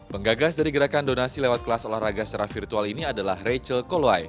penggagas dari gerakan donasi lewat kelas olahraga secara virtual ini adalah rachel koluai